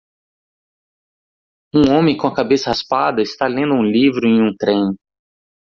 Um homem com a cabeça raspada está lendo um livro em um trem.